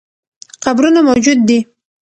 قبرونه موجود دي.